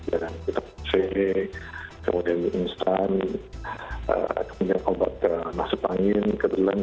dan kita ke c ke wdw instan ke masukangin ke delang